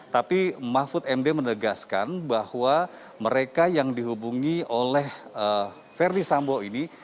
tapi mahfud md menegaskan bahwa mereka yang dihubungi oleh verdi sambo ini